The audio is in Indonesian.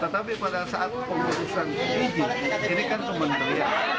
tetapi pada saat pemerintah ini ini kan cuma men beri